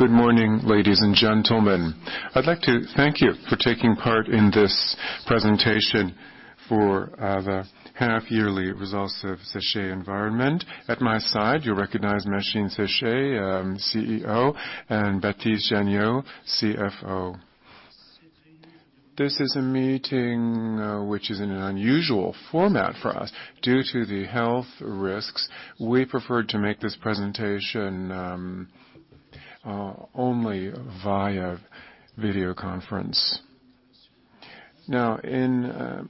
Good morning, ladies and gentlemen. I'd like to thank you for taking part in this presentation for the half yearly results of Séché Environnement. At my side, you'll recognize Maxime Séché, CEO, and Baptiste Janiaud, CFO. This is a meeting which is in an unusual format for us. Due to the health risks, we preferred to make this presentation only via video conference. In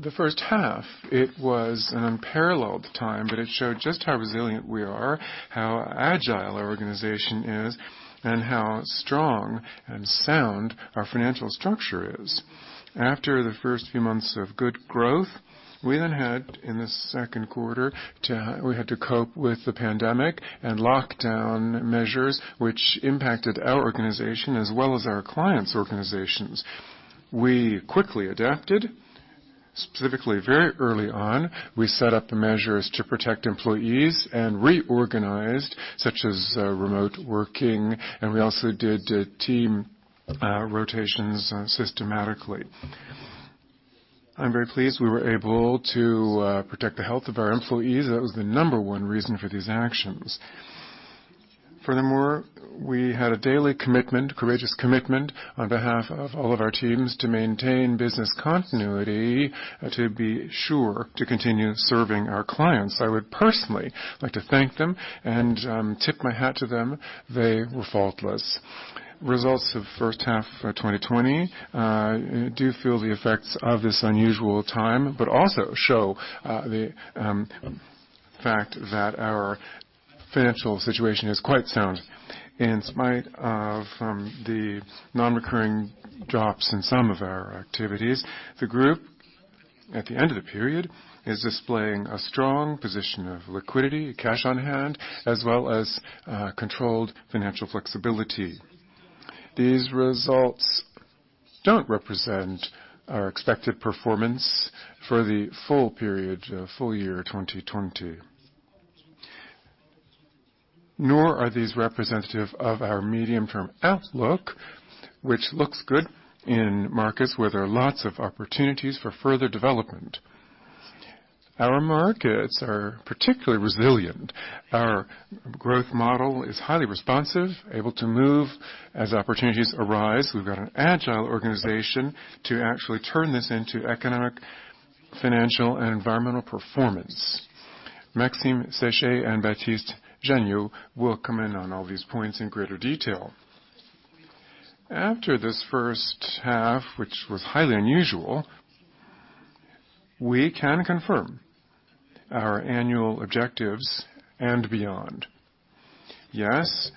the first half, it was an unparalleled time, but it showed just how resilient we are, how agile our organization is, and how strong and sound our financial structure is. After the first few months of good growth, we then had, in the second quarter, to cope with the pandemic and lockdown measures, which impacted our organization as well as our clients' organizations. We quickly adapted. Specifically, very early on, we set up the measures to protect employees and reorganized, such as remote working, and we also did team rotations systematically. I'm very pleased we were able to protect the health of our employees. That was the number one reason for these actions. Furthermore, we had a daily commitment, courageous commitment, on behalf of all of our teams to maintain business continuity, to be sure to continue serving our clients. I would personally like to thank them and tip my hat to them. They were faultless. Results of first half 2020 do feel the effects of this unusual time, but also show the fact that our financial situation is quite sound. In spite of the non-recurring drops in some of our activities, the group, at the end of the period, is displaying a strong position of liquidity, cash on hand, as well as controlled financial flexibility. These results don't represent our expected performance for the full period, full year 2020. Nor are these representative of our medium-term outlook, which looks good in markets where there are lots of opportunities for further development. Our markets are particularly resilient. Our growth model is highly responsive, able to move as opportunities arise. We've got an agile organization to actually turn this into economic, financial, and environmental performance. Maxime Séché and Baptiste Janiaud will come in on all these points in greater detail. After this first half, which was highly unusual, we can confirm our annual objectives and beyond. Yes,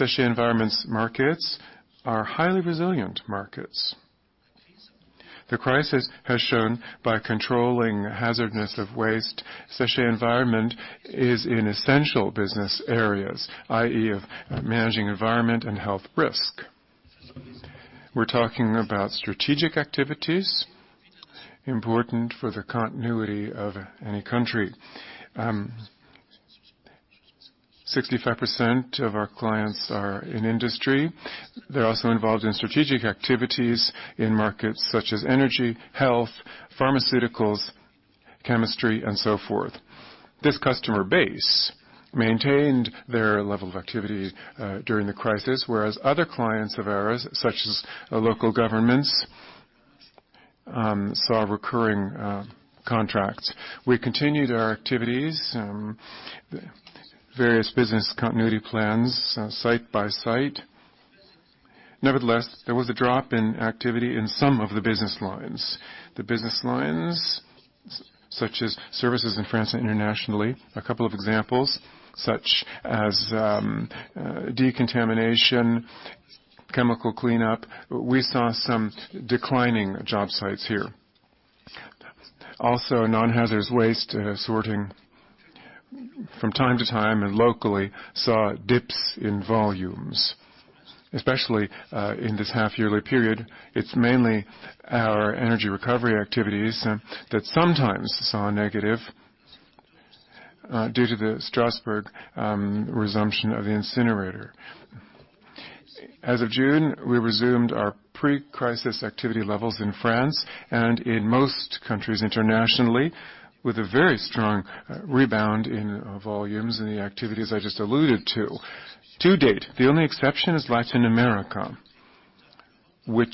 Séché Environnement's markets are highly resilient markets. The crisis has shown by controlling hazardousness of waste, Séché Environnement is in essential business areas, i.e., of managing environment and health risk. We're talking about strategic activities important for the continuity of any country. 65% of our clients are in industry. They're also involved in strategic activities in markets such as energy, health, pharmaceuticals, chemistry, and so forth. This customer base maintained their level of activity during the crisis, whereas other clients of ours, such as local governments, saw recurring contracts. We continued our activities, various business continuity plans, site by site. There was a drop in activity in some of the business lines. The business lines such as services in France and internationally, a couple of examples, such as decontamination, chemical cleanup, we saw some declining job sites here. Non-hazardous waste sorting from time to time and locally saw dips in volumes, especially in this half-yearly period. It's mainly our energy recovery activities that sometimes saw a negative due to the Strasbourg resumption of the incinerator. As of June, we resumed our pre-crisis activity levels in France and in most countries internationally, with a very strong rebound in volumes in the activities I just alluded to. To date, the only exception is Latin America, where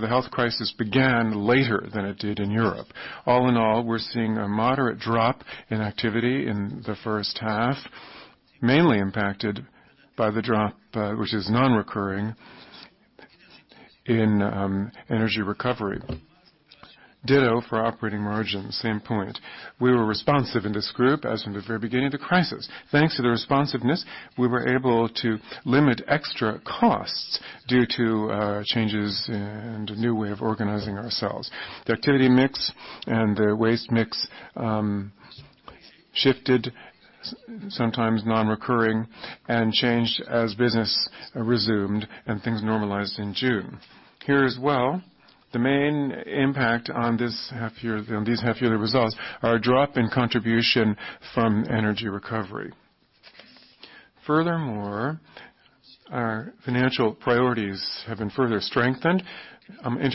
the health crisis began later than it did in Europe. All in all, we're seeing a moderate drop in activity in the first half, mainly impacted by the drop, which is non-recurring, in energy recovery. Ditto for operating margin, same point. We were responsive in this group as in the very beginning of the crisis. Thanks to the responsiveness, we were able to limit extra costs due to changes and a new way of organizing ourselves. The activity mix and the waste mix shifted, sometimes non-recurring, and changed as business resumed and things normalized in June. Here as well. The main impact on these half-yearly results are a drop in contribution from energy recovery. Furthermore, our financial priorities have been further strengthened, inter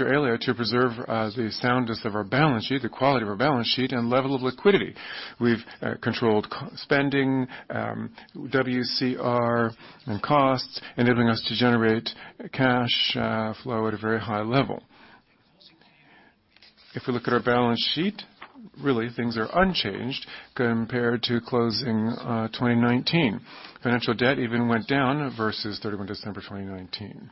earlier, to preserve the soundness of our balance sheet, the quality of our balance sheet, and level of liquidity. We've controlled spending, WCR, and costs, enabling us to generate cash flow at a very high level. If we look at our balance sheet, really things are unchanged compared to closing 2019. Financial debt even went down versus 31 December 2019.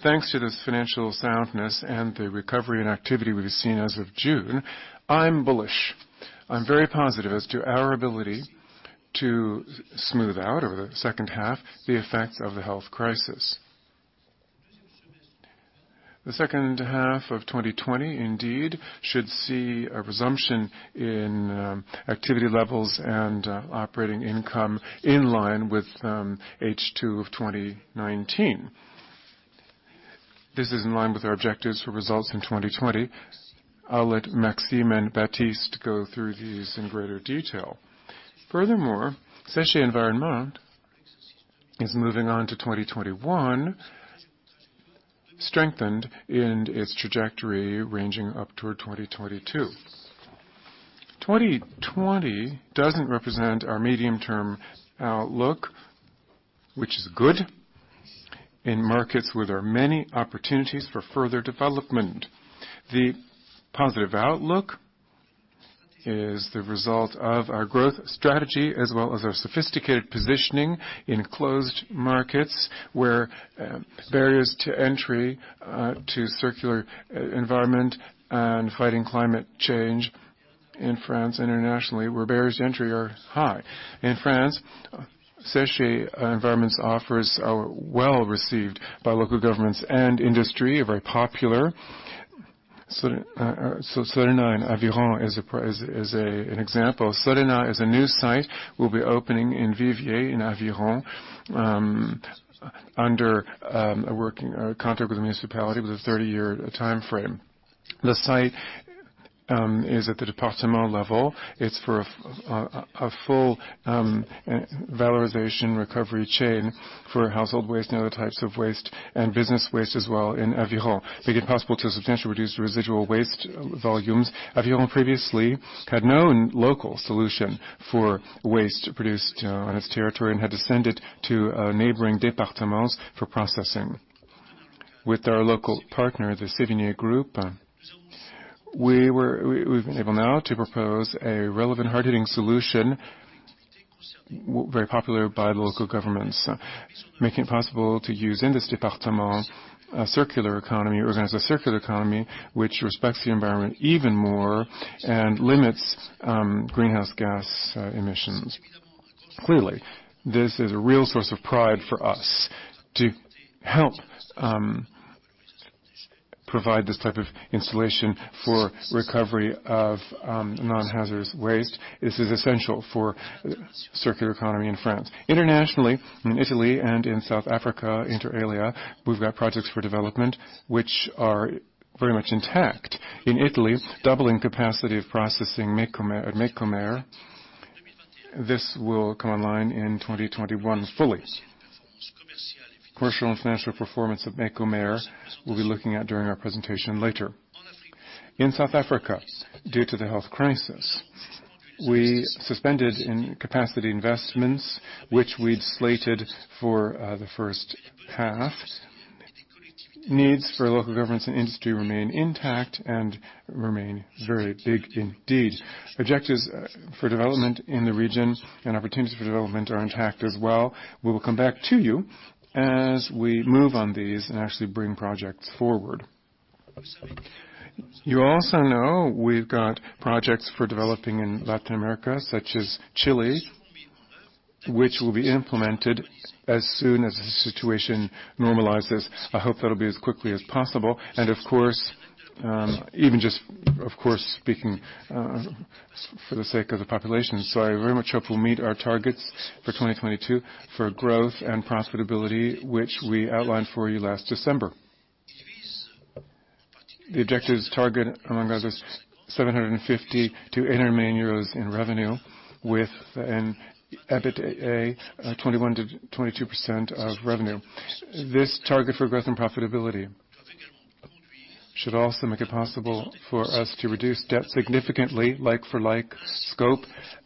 Thanks to this financial soundness and the recovery and activity we've seen as of June, I'm bullish. I'm very positive as to our ability to smooth out over the second half the effects of the health crisis. The second half of 2020, indeed, should see a resumption in activity levels and operating income in line with H2 of 2019. This is in line with our objectives for results in 2020. I'll let Maxime and Baptiste go through these in greater detail. Furthermore, Séché Environnement is moving on to 2021, strengthened in its trajectory ranging up toward 2022. 2020 doesn't represent our medium-term outlook, which is good in markets where there are many opportunities for further development. The positive outlook is the result of our growth strategy as well as our sophisticated positioning in closed markets, where barriers to entry to circular environment and fighting climate change in France, internationally, where barriers to entry are high. In France, Séché Environnement's offers are well-received by local governments and industry, are very popular. Solena in Aveyron is an example. Solena is a new site we'll be opening in Viviez in Aveyron under a contract with the municipality with a 30-year timeframe. The site is at the département level. It's for a full valorization recovery chain for household waste and other types of waste and business waste as well in Aveyron, making it possible to substantially reduce residual waste volumes. Aveyron previously had no local solution for waste produced on its territory and had to send it to neighboring départements for processing. With our local partner, the Sévigné group, we've been able now to propose a relevant, hard-hitting solution, very popular by local governments, making it possible to use in this [département] a circular economy, organize a circular economy, which respects the environment even more and limits greenhouse gas emissions. This is a real source of pride for us to help provide this type of installation for recovery of non-hazardous waste. This is essential for circular economy in France. Internationally, in Italy and in South Africa, inter alia, we've got projects for development which are very much intact. In Italy, doubling capacity of processing Mecomer. This will come online in 2021 fully. Commercial and financial performance of Mecomer, we'll be looking at during our presentation later. In South Africa, due to the health crisis, we suspended in-capacity investments which we'd slated for the first half. Needs for local governments and industry remain intact and remain very big indeed. Objectives for development in the region and opportunities for development are intact as well. We will come back to you as we move on these and actually bring projects forward. You also know we've got projects for developing in Latin America, such as Chile, which will be implemented as soon as the situation normalizes. I hope that'll be as quickly as possible, and of course, even just, of course, speaking for the sake of the population. I very much hope we'll meet our targets for 2022 for growth and profitability, which we outlined for you last December. The objectives target, among others, 750 million-800 million euros in revenue with an EBITDA 21%-22% of revenue. This target for growth and profitability should also make it possible for us to reduce debt significantly, like-for-like scope,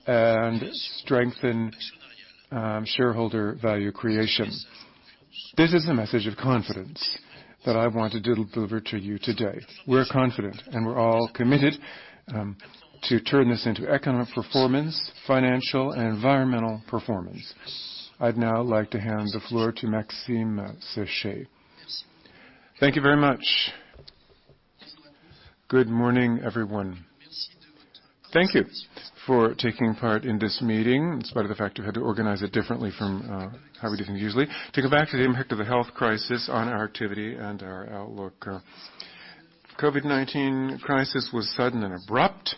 and strengthen shareholder value creation. This is the message of confidence that I wanted to deliver to you today. We're confident, and we're all committed to turn this into economic performance, financial and environmental performance. I'd now like to hand the floor to Maxime Séché. Thank you very much. Good morning, everyone. Thank you for taking part in this meeting, in spite of the fact we had to organize it differently from how we do things usually. To go back to the impact of the health crisis on our activity and our outlook. COVID-19 crisis was sudden and abrupt,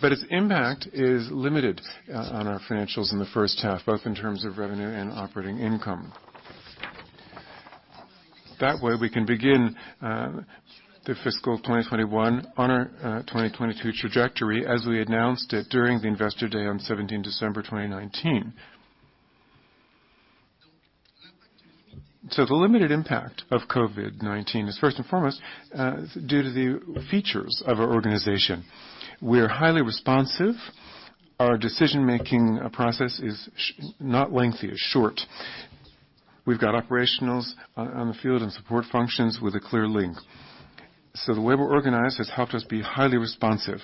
but its impact is limited on our financials in the first half, both in terms of revenue and operating income. We can begin the fiscal 2021 on our 2022 trajectory, as we announced it during the Investor Day on 17th December 2019. The limited impact of COVID-19 is first and foremost, due to the features of our organization. We are highly responsive. Our decision-making process is not lengthy, it's short. We've got operationals on the field and support functions with a clear link. The way we're organized has helped us be highly responsive.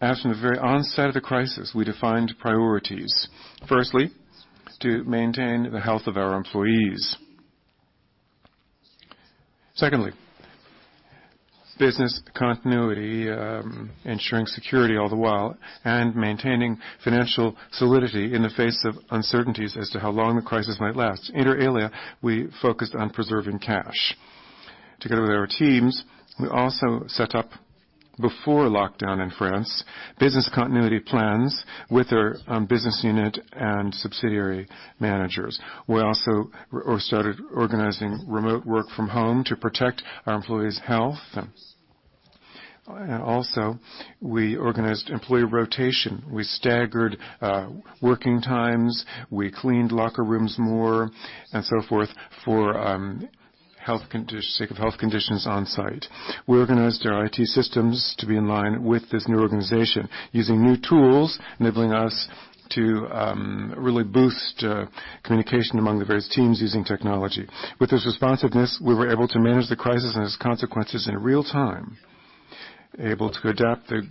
From the very onset of the crisis, we defined priorities. Firstly, to maintain the health of our employees. Secondly, business continuity, ensuring security all the while, and maintaining financial solidity in the face of uncertainties as to how long the crisis might last. Inter alia, we focused on preserving cash. Together with our teams, we also set up, before lockdown in France, business continuity plans with our business unit and subsidiary managers. We also started organizing remote work from home to protect our employees' health. We also organized employee rotation. We staggered working times. We cleaned locker rooms more, and so forth, for sake of health conditions on site. We organized our IT systems to be in line with this new organization, using new tools, enabling us to really boost communication among the various teams using technology. With this responsiveness, we were able to manage the crisis and its consequences in real time, able to adapt the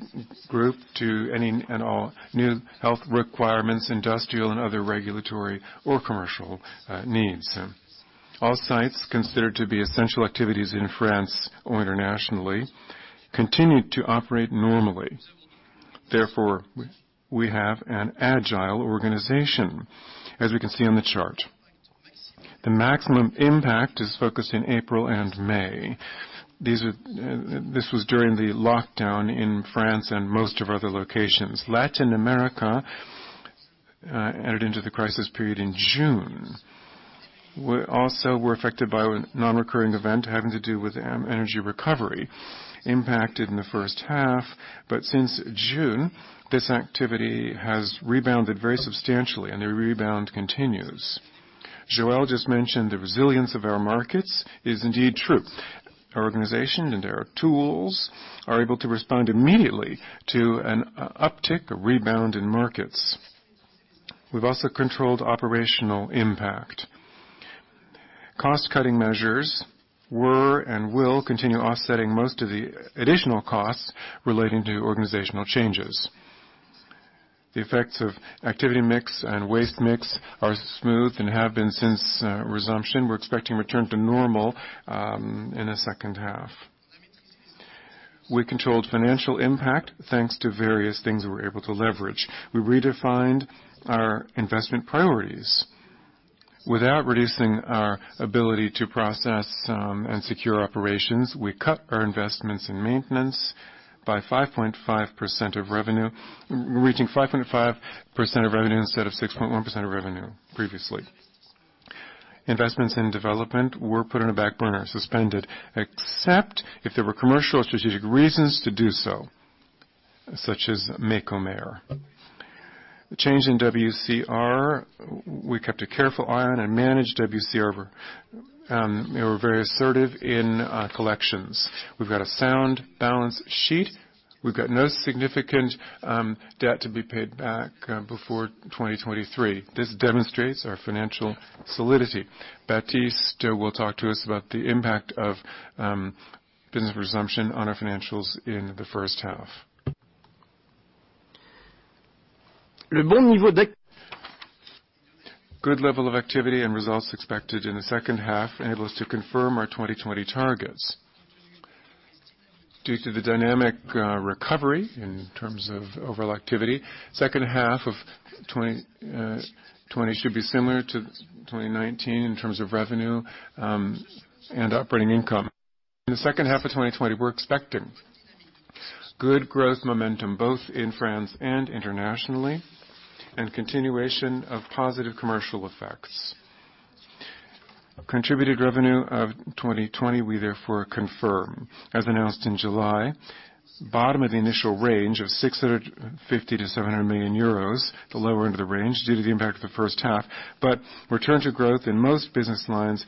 group to any and all new health requirements, industrial and other regulatory or commercial needs. All sites considered to be essential activities in France or internationally continued to operate normally. Therefore, we have an agile organization, as we can see on the chart. The maximum impact is focused in April and May. This was during the lockdown in France and most of our other locations. Latin America entered into the crisis period in June. We also were affected by a non-recurring event having to do with energy recovery impacted in the first half. Since June, this activity has rebounded very substantially, and the rebound continues. Joël just mentioned the resilience of our markets is indeed true. Our organization and our tools are able to respond immediately to an uptick, a rebound in markets. We've also controlled operational impact. Cost-cutting measures were and will continue offsetting most of the additional costs relating to organizational changes. The effects of activity mix and waste mix are smooth and have been since resumption. We're expecting return to normal in the second half. We controlled financial impact, thanks to various things we were able to leverage. We redefined our investment priorities. Without reducing our ability to process and secure operations, we cut our investments in maintenance by 5.5% of revenue, reaching 5.5% of revenue instead of 6.1% of revenue previously. Investments in development were put on the back burner, suspended, except if there were commercial or strategic reasons to do so, such as Mecomer. The change in WCR, we kept a careful eye on and managed WCR. We were very assertive in collections. We've got a sound balance sheet. We've got no significant debt to be paid back before 2023. This demonstrates our financial solidity. Baptiste will talk to us about the impact of business resumption on our financials in the first half. Good level of activity and results expected in the second half enable us to confirm our 2020 targets. Due to the dynamic recovery in terms of overall activity, second half of 2020 should be similar to 2019 in terms of revenue and operating income. In the second half of 2020, we're expecting good growth momentum, both in France and internationally, and continuation of positive commercial effects. Contributed revenue of 2020, we therefore confirm, as announced in July, bottom of the initial range of 650 million-700 million euros, the lower end of the range, due to the impact of the first half. Return to growth in most business lines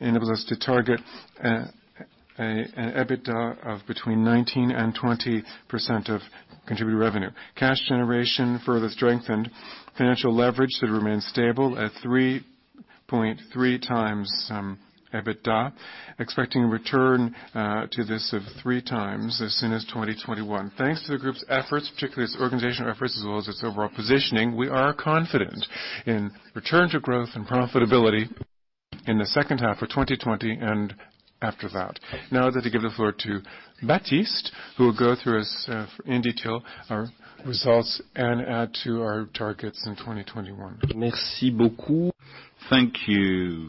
enables us to target an EBITDA of between 19% and 20% of contributed revenue. Cash generation further strengthened. Financial leverage should remain stable at 3.3x EBITDA. Expecting a return to this of 3x as soon as 2021. Thanks to the group's efforts, particularly its organizational efforts as well as its overall positioning, we are confident in return to growth and profitability in the second half of 2020 and after that. Now I'd like to give the floor to Baptiste, who will go through in detail our results and add to our targets in 2021. Thank you.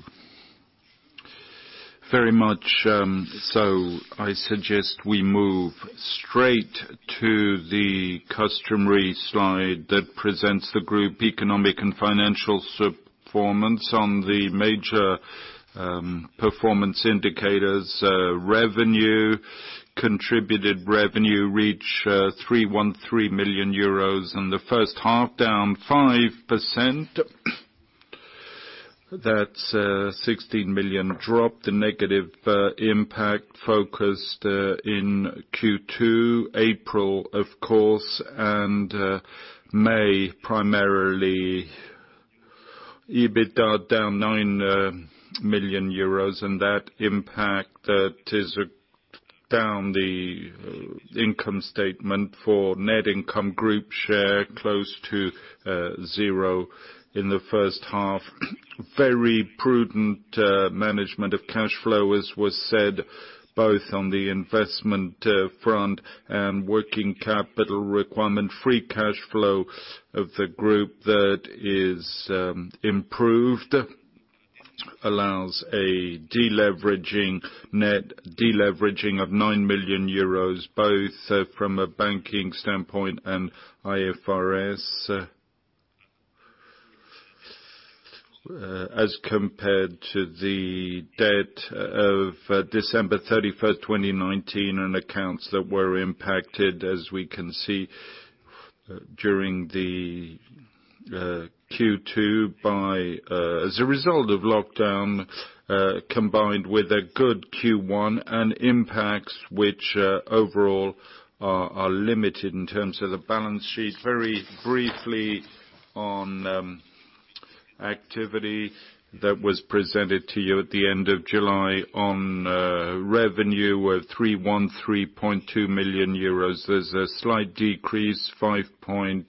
Very much so. I suggest we move straight to the customary slide that presents the group economic and financial performance on the major performance indicators. Revenue, contributed revenue reach 313 million euros in the first half, down 5%. That's a 16 million drop. The negative impact focused in Q2, April, of course, and May, primarily. EBITDA, down 9 million euros. That impact that is down the income statement for net income group share close to zero in the first half. Very prudent management of cash flow, as was said, both on the investment front and working capital requirement. Free cash flow of the group that is improved, allows a deleveraging, net deleveraging of 9 million euros, both from a banking standpoint and IFRS. As compared to the debt of December 31st, 2019, and accounts that were impacted, as we can see, during the Q2 as a result of lockdown, combined with a good Q1 and impacts which overall are limited in terms of the balance sheet. Very briefly on activity that was presented to you at the end of July on revenue of 313.2 million euros. There's a slight decrease, 5.1%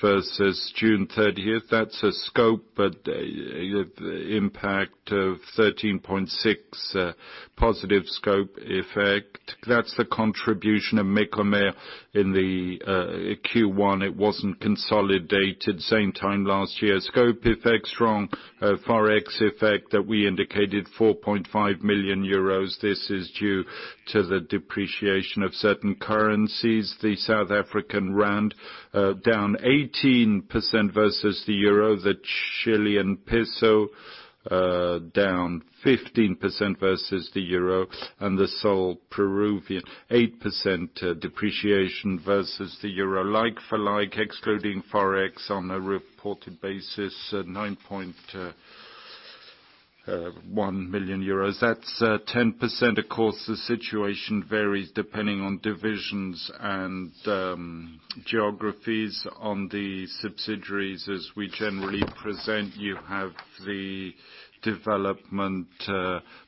versus June 30th. That's a scope impact of 13.6% positive scope effect. That's the contribution of Mecomer in the Q1. It wasn't consolidated same time last year. Scope effect strong. Forex effect that we indicated, 4.5 million euros. This is due to the depreciation of certain currencies. The South African rand down 18% versus the euro, the Chilean peso down 15% versus the euro, and the sol Peruvian, 8% depreciation versus the euro. Like-for-like, excluding Forex on a reported basis, 9.1 million euros. That's 10%. Of course, the situation varies depending on divisions and geographies on the subsidiaries. As we generally present, you have the development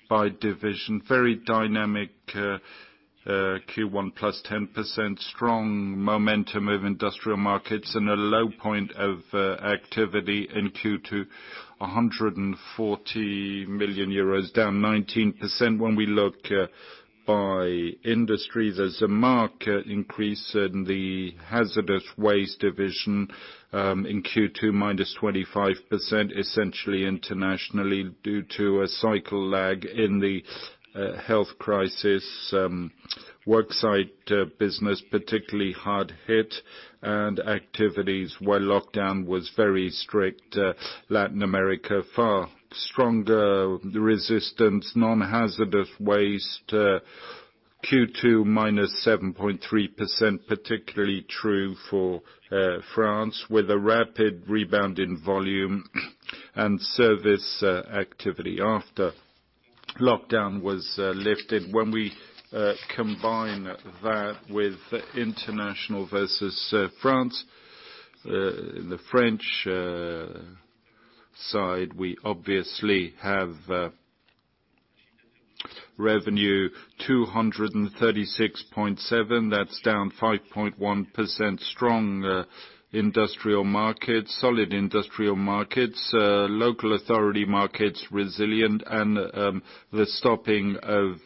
by division. Very dynamic Q1, +10%, strong momentum of industrial markets and a low point of activity in Q2, 140 million euros, down 19%. When we look by industry, there's a marked increase in the hazardous waste division, in Q2, -25%, essentially internationally, due to a cycle lag in the health crisis, worksite business particularly hard hit and activities where lockdown was very strict. Latin America, far stronger resistance. Non-hazardous waste, Q2, -7.3%, particularly true for France, with a rapid rebound in volume and service activity after lockdown was lifted. When we combine that with international versus France, in the French side, we obviously have revenue 236.7 million. That's down 5.1%. Strong industrial markets, local authority markets resilient, the stopping of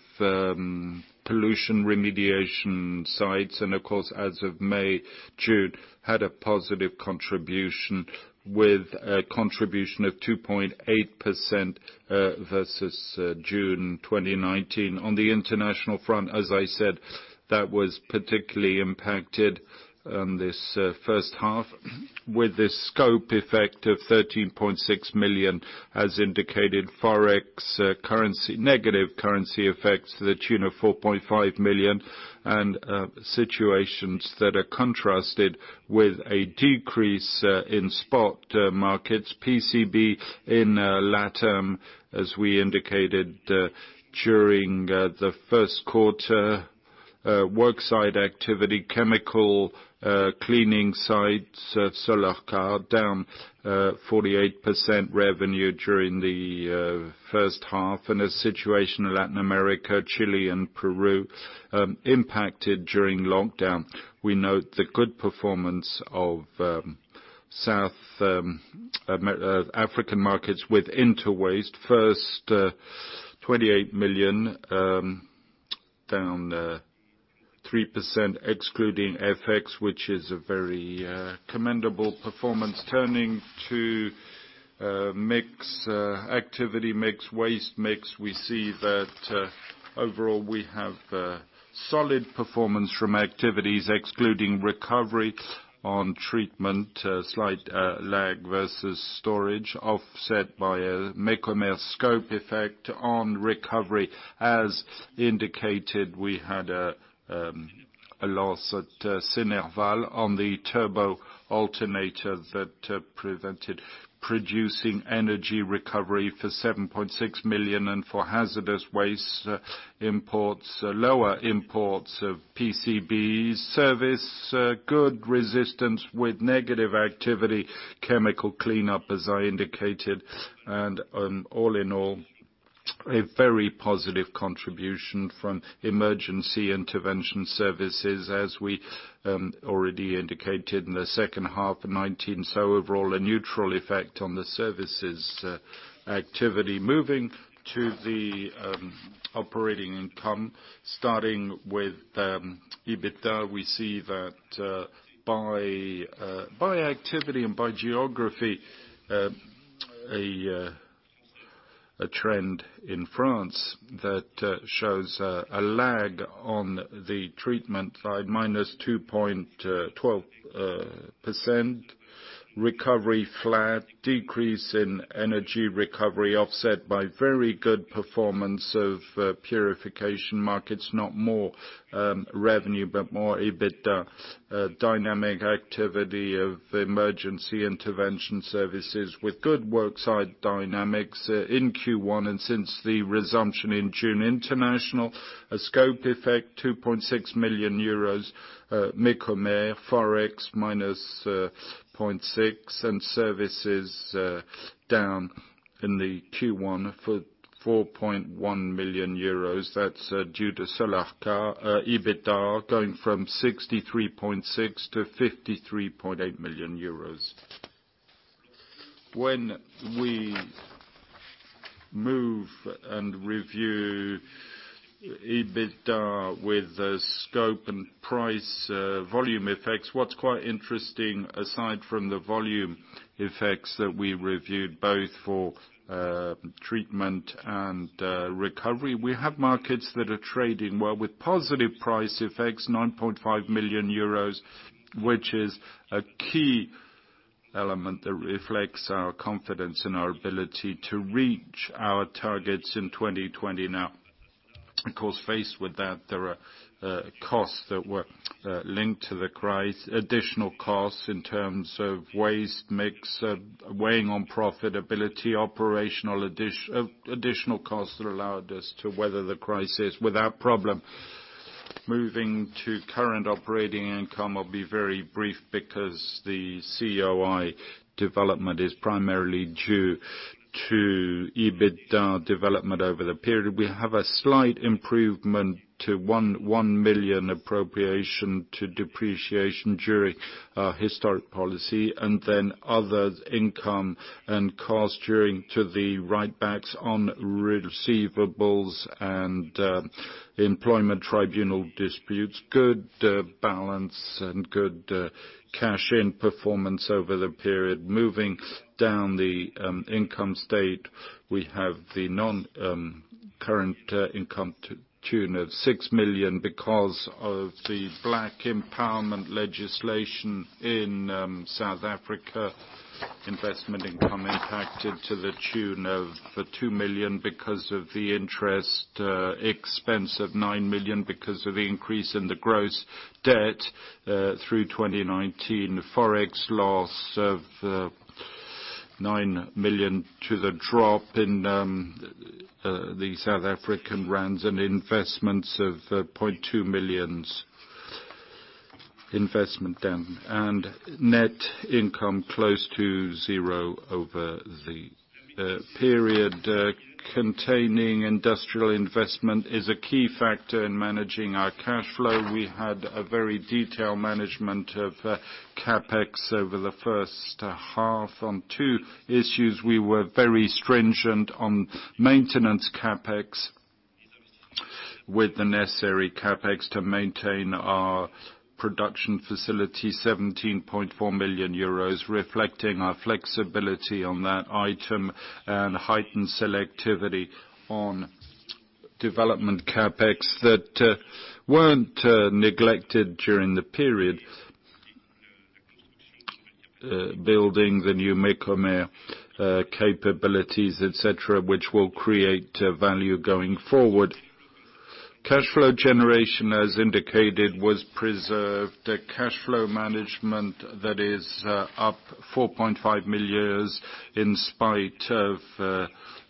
pollution remediation sites. Of course, as of May, June, had a positive contribution with a contribution of 2.8% versus June 2019. On the international front, as I said, that was particularly impacted on this first half with a scope effect of 13.6 million, as indicated, Forex negative currency effects to the tune of 4.5 million, and situations that are contrasted with a decrease in spot markets. PCB in LATAM, as we indicated during the first quarter, worksite activity, chemical cleaning sites, Solarca down 48% revenue during the first half. A situation in Latin America, Chile, and Peru impacted during lockdown. We note the good performance of South African markets with Interwaste. First, 28 million, down 3% excluding FX, which is a very commendable performance. Turning to mix activity, mix waste, we see that overall we have solid performance from activities excluding recovery on treatment, slight lag versus storage, offset by a Mecomer scope effect on recovery. As indicated, we had a loss at Sénerval on the turbo alternator that prevented producing energy recovery for 7.6 million, and for hazardous waste imports, lower imports of PCBs. Service, good resistance with negative activity, chemical cleanup, as I indicated, and all in all, a very positive contribution from emergency intervention services, as we already indicated in the second half of 2019. Overall, a neutral effect on the services activity. Moving to the operating income, starting with EBITDA, we see that by activity and by geography, a trend in France that shows a lag on the treatment side, -2.12%. Recovery flat, decrease in energy recovery offset by very good performance of purification markets, not more revenue, but more EBITDA dynamic activity of emergency intervention services with good work site dynamics in Q1 and since the resumption in June. International, a scope effect 2.6 million euros, Mecomer, Forex -0.6 million, and services down in the Q1 for 4.1 million euros. That's due to Solarca EBITDA going from 63.6 million-53.8 million euros. When we move and review EBITDA with the scope and price volume effects, what's quite interesting, aside from the volume effects that we reviewed both for treatment and recovery, we have markets that are trading well with positive price effects, 9.5 million euros, which is a key element that reflects our confidence in our ability to reach our targets in 2020. Of course, faced with that, there are costs that were linked to the crisis, additional costs in terms of waste mix weighing on profitability, operational additional costs that allowed us to weather the crisis without problem. Moving to current operating income, I'll be very brief because the COI development is primarily due to EBITDA development over the period. We have a slight improvement to 1 million appropriation due to our historic policy, and then other income and cost due to the write-backs on receivables and employment tribunal disputes. Good balance and good cash in performance over the period. Moving down the income statement, we have the non-current income to the tune of 6 million because of the Black Empowerment legislation in South Africa. Investment income impacted to the tune of 2 million because of the interest expense of 9 million because of the increase in the gross debt through 2019. Forex loss of 9 million to the drop in the South African rands and investments of 0.2 million investment down, and net income close to zero over the period. Containing industrial investment is a key factor in managing our cash flow. We had a very detailed management of CapEx over the first half. On two issues, we were very stringent on maintenance CapEx with the necessary CapEx to maintain our production facility, 17.4 million euros, reflecting our flexibility on that item and heightened selectivity on development CapEx that weren't neglected during the period. Building the new Mecomer capabilities, et cetera, which will create value going forward. Cash flow generation, as indicated, was preserved. A cash flow management that is up 4.5 million in spite of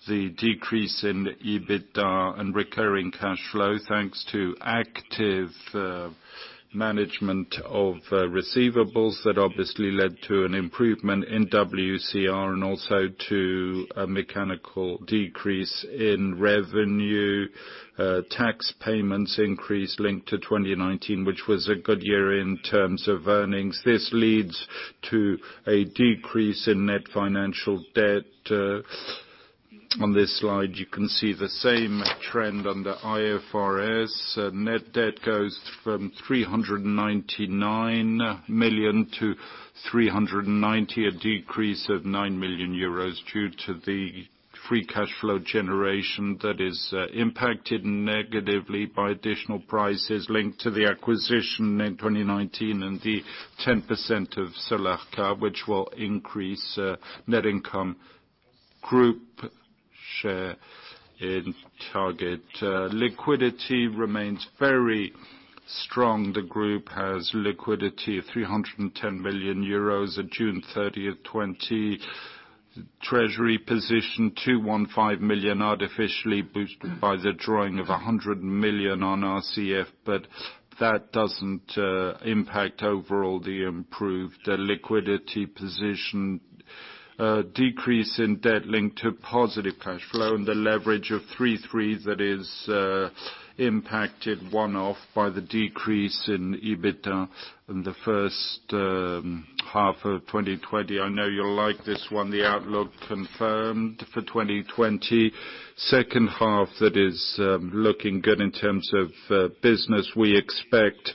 the decrease in EBITDA and recurring cash flow, thanks to active management of receivables that obviously led to an improvement in WCR and also to a mechanical decrease in revenue. Tax payments increase linked to 2019, which was a good year in terms of earnings. This leads to a decrease in net financial debt. On this slide, you can see the same trend under IFRS. Net debt goes from 399 million-390 million, a decrease of 9 million euros due to the free cash flow generation that is impacted negatively by additional prices linked to the acquisition in 2019 and the 10% of Solarca, which will increase net income group share in target. Liquidity remains very strong. The group has liquidity of 310 million euros as of June 30, 2020. Treasury position 215 million, artificially boosted by the drawing of 100 million on our RCF, but that doesn't impact overall the improved liquidity position. A decrease in debt linked to positive cash flow and the leverage of 3.3x that is impacted one-off by the decrease in EBITDA in the first half of 2020. I know you'll like this one, the outlook confirmed for 2020. Second half that is looking good in terms of business. We expect,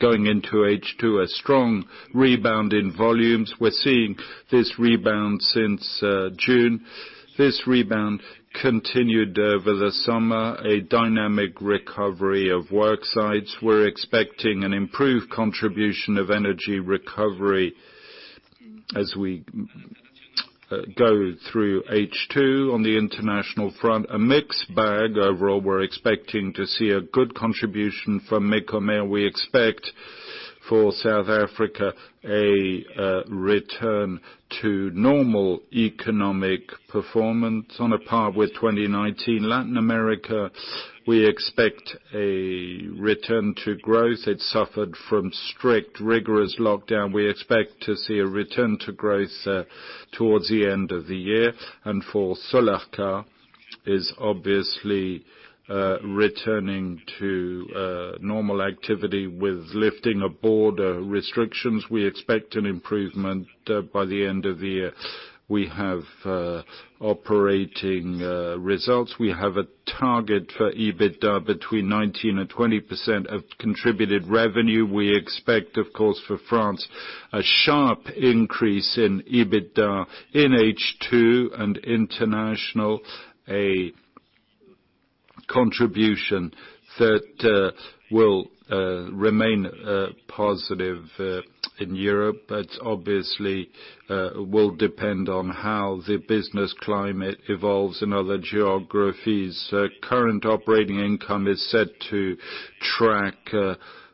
going into H2, a strong rebound in volumes. We're seeing this rebound since June. This rebound continued over the summer, a dynamic recovery of work sites. We're expecting an improved contribution of energy recovery as we go through H2. On the international front, a mixed bag. Overall, we're expecting to see a good contribution from Mecomer. We expect for South Africa a return to normal economic performance on par with 2019. Latin America, we expect a return to growth. It suffered from strict, rigorous lockdown. We expect to see a return to growth towards the end of the year. Solarca is obviously returning to normal activity with lifting of border restrictions. We expect an improvement by the end of the year. We have operating results. We have a target for EBITDA between 19% and 20% of contributed revenue. We expect, of course, for France, a sharp increase in EBITDA in H2. International, a contribution that will remain positive in Europe, obviously will depend on how the business climate evolves in other geographies. Current operating income is set to track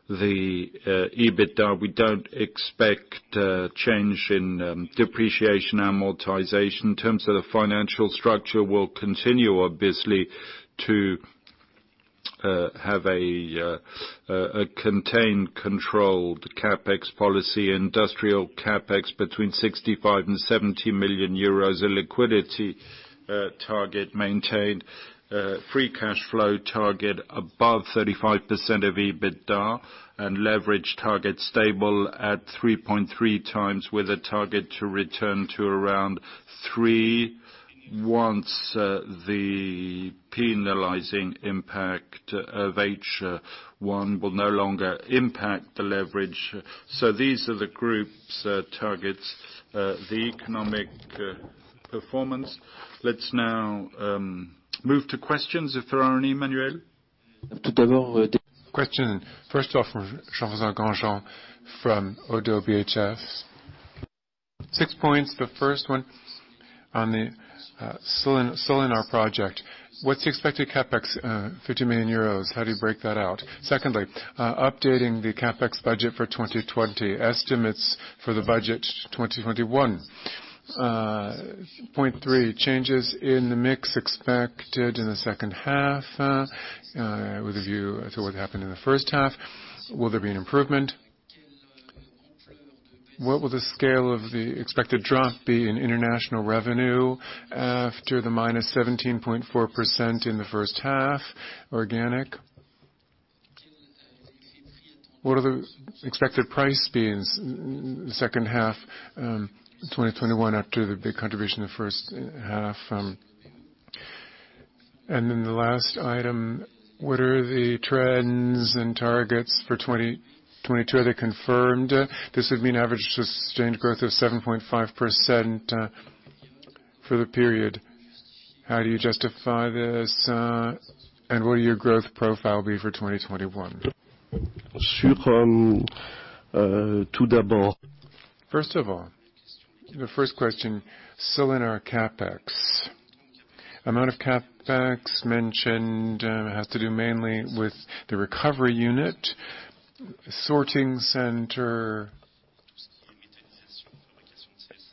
the EBITDA. We don't expect a change in depreciation amortization. In terms of the financial structure, we'll continue obviously to have a contained, controlled CapEx policy. Industrial CapEx between 65 million and 70 million euros. A liquidity target maintained. Free cash flow target above 35% of EBITDA, leverage target stable at 3.3x with a target to return to around 3x once the penalizing impact of H1 will no longer impact the leverage. These are the group's targets, the economic performance. Let's now move to questions if there are any, Manuel. Question, first off, from Jean-François Granjon from ODDO BHF. Six points. The first one on the Solena project. What's the expected CapEx? 50 million euros. How do you break that out? Secondly, updating the CapEx budget for 2020. Estimates for the budget 2021. Point three, changes in the mix expected in the second half with a view to what happened in the first half. Will there be an improvement? What will the scale of the expected drop be in international revenue after the -17.4% in the first half organic? What are the expected price effects second half 2021 after the big contribution in the first half? The last item, what are the trends and targets for 2022? Are they confirmed? This would mean average sustained growth of 7.5% for the period. How do you justify this? What will your growth profile be for 2021? First of all, the first question, Solena CapEx. Amount of CapEx mentioned has to do mainly with the recovery unit, sorting center,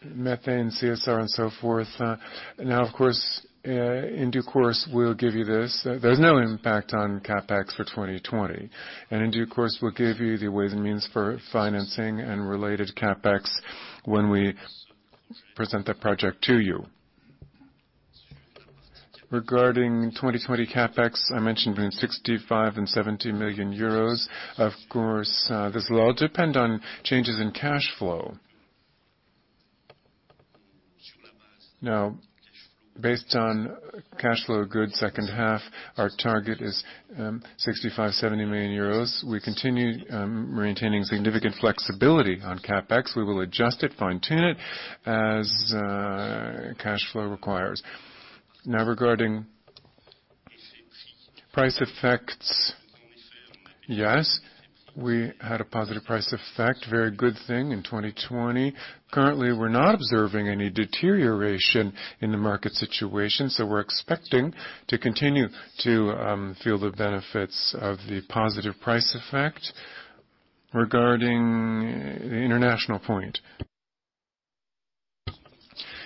methane, CSR, and so forth. Of course, in due course, we'll give you this. There's no impact on CapEx for 2020. In due course, we'll give you the ways and means for financing and related CapEx when we present that project to you. Regarding 2020 CapEx, I mentioned between 65 million and 70 million euros. Of course, this will all depend on changes in cash flow. Based on cash flow good second half, our target is 65 million, 70 million euros. We continue maintaining significant flexibility on CapEx. We will adjust it, fine-tune it, as cash flow requires. Regarding price effects. Yes, we had a positive price effect, very good thing in 2020. Currently, we're not observing any deterioration in the market situation. We're expecting to continue to feel the benefits of the positive price effect. Regarding the international point.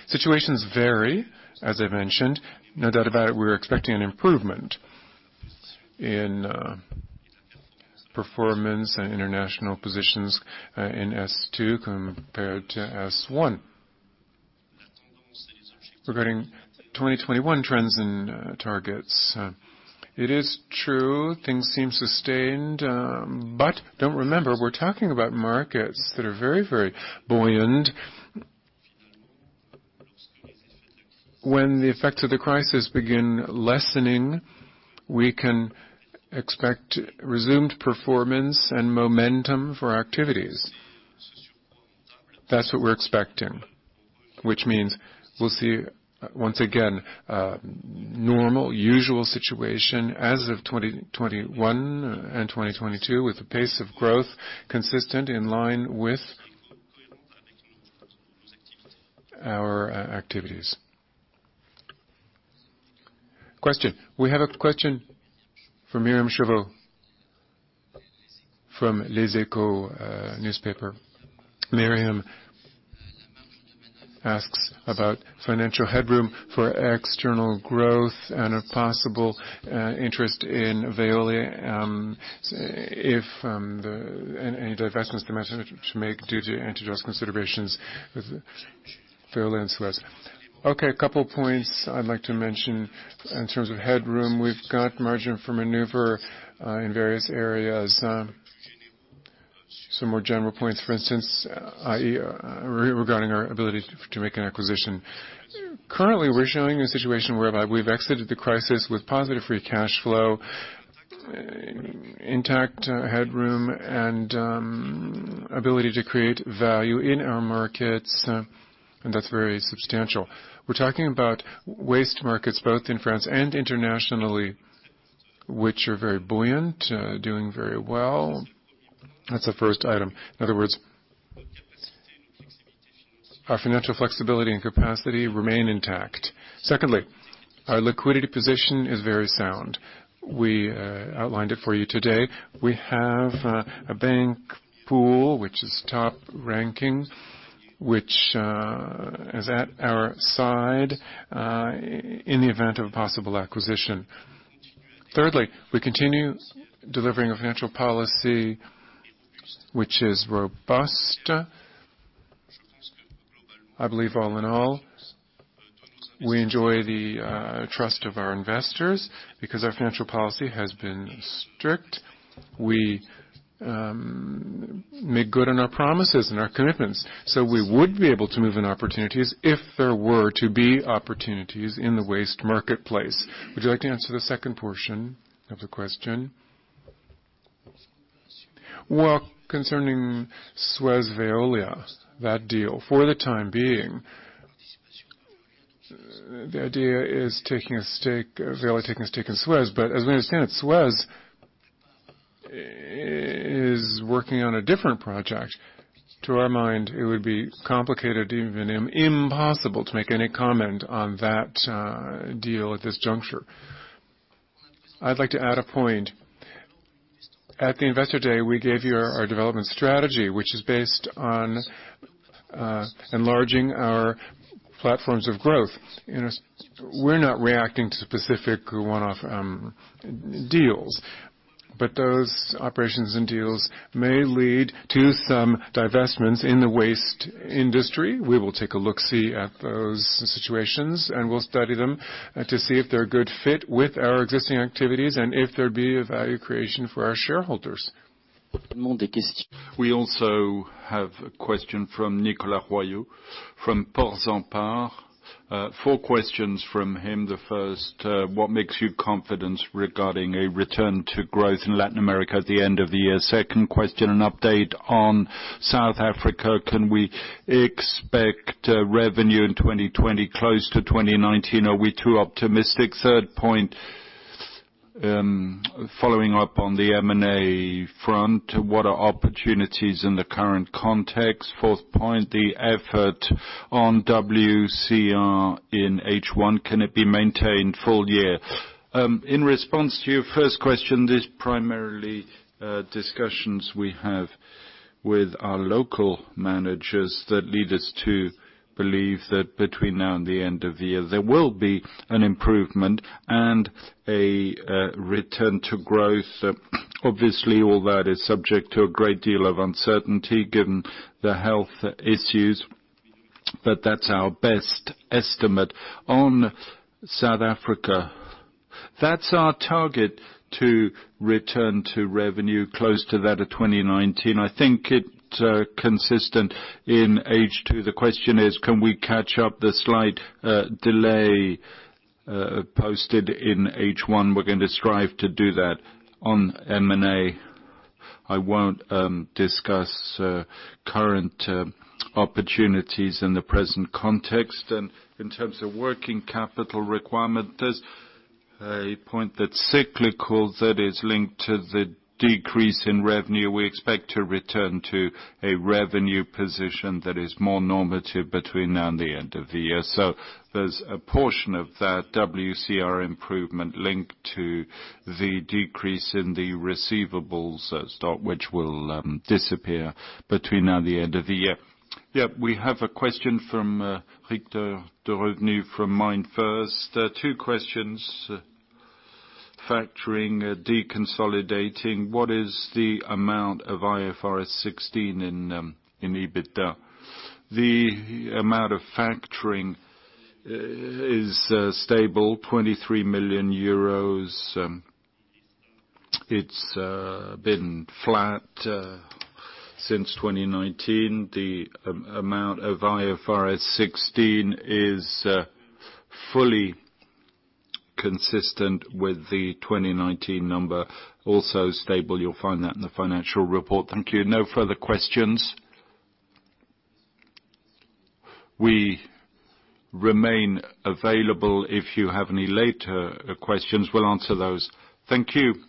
Situations vary, as I mentioned. No doubt about it, we're expecting an improvement in performance and international positions, in S2 compared to S1. Regarding 2021 trends and targets. It is true, things seem sustained. Don't forget, we're talking about markets that are very buoyant. When the effects of the crisis begin lessening, we can expect resumed performance and momentum for activities. That's what we're expecting, which means we'll see, once again, a normal usual situation as of 2021 and 2022, with a pace of growth consistent in line with our activities. Question. We have a question from Myriam Chauvot, from Les Echos newspaper. Myriam asks about financial headroom for external growth and a possible interest in Veolia, if any divestments to make due to antitrust considerations with Veolia and Suez. A couple of points I'd like to mention in terms of headroom. We've got margin for maneuver in various areas. Some more general points, for instance, regarding our ability to make an acquisition. Currently, we're showing a situation whereby we've exited the crisis with positive free cash flow, intact headroom, and ability to create value in our markets, and that's very substantial. We're talking about waste markets, both in France and internationally, which are very buoyant, doing very well. That's the first item. In other words, our financial flexibility and capacity remain intact. Secondly, our liquidity position is very sound. We outlined it for you today. We have a bank pool, which is top ranking, which is at our side in the event of a possible acquisition. Thirdly, we continue delivering a financial policy which is robust. I believe all in all, we enjoy the trust of our investors because our financial policy has been strict. We make good on our promises and our commitments. We would be able to move in opportunities if there were to be opportunities in the waste marketplace. Would you like to answer the second portion of the question? Concerning Suez Veolia, that deal, for the time being, Veolia is taking a stake in Suez, but as we understand it, Suez is working on a different project. To our mind, it would be complicated, even impossible, to make any comment on that deal at this juncture. I'd like to add a point. At the Investor Day, we gave you our development strategy, which is based on enlarging our platforms of growth. We're not reacting to specific one-off deals, but those operations and deals may lead to some divestments in the waste industry. We will take a look-see at those situations, and we'll study them to see if they're a good fit with our existing activities and if there'd be a value creation for our shareholders. We also have a question from Nicolas Royot from Portzamparc. Four questions from him. The first, what makes you confident regarding a return to growth in Latin America at the end of the year? Second question, an update on South Africa. Can we expect revenue in 2020 close to 2019? Are we too optimistic? Third point, following up on the M&A front, what are opportunities in the current context? Fourth point, the effort on WCR in H1, can it be maintained full year? In response to your first question, it is primarily discussions we have with our local managers that lead us to believe that between now and the end of the year, there will be an improvement and a return to growth. Obviously, all that is subject to a great deal of uncertainty given the health issues. That's our best estimate. On South Africa, that's our target to return to revenue close to that of 2019. I think it's consistent in H2. The question is, can we catch up the slight delay posted in H1? We're going to strive to do that. On M&A, I won't discuss current opportunities in the present context. In terms of working capital requirement, there's a point that's cyclical that is linked to the decrease in revenue. We expect to return to a revenue position that is more normative between now and the end of the year. There's a portion of that WCR improvement linked to the decrease in the receivables stock, which will disappear between now and the end of the year. Yeah, we have a question from Victor Dergunov from Midcap Partners. Two questions. Factoring, deconsolidating, what is the amount of IFRS 16 in EBITDA? The amount of factoring is stable, EUR 23 million. It's been flat since 2019. The amount of IFRS 16 is fully consistent with the 2019 number, also stable. You'll find that in the financial report. Thank you. No further questions. We remain available if you have any later questions. We'll answer those. Thank you.